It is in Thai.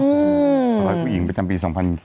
เอาไว้ผู้หญิงไปตามปี๒๐๒๒